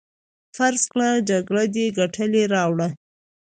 فرض کړه جګړه دې ګټلې راوړه.